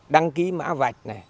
đăng ký mã vạch